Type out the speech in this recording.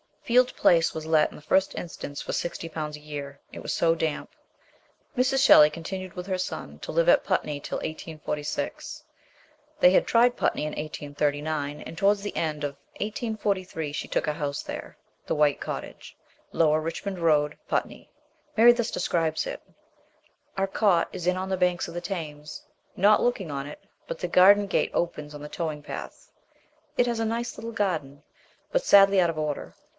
Field Place was let in the first instance for sixty pounds a year, it was so damp. Mrs. Shelley continued with her son to live at Putney till 1846. They had tried Putney in 1839, and to wards the end of 1843 she took a house there, the White Cottage, Lower Eichmond Road, Putney. Mary thus describes it :" Our cot is on the banks of the Thames, not looking on it, but the garden gate opens on the towing path. It has a nice little garden, but sadly out of order.